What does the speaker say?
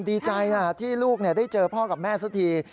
ดีใจนะที่ลูกได้เจอพ่อกับแม่สักที